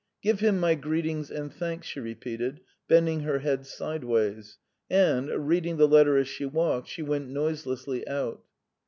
"Give him my greetings and thanks," she repeated, bending her head sideways, and, reading the letter as she walked, she went noiselessly out.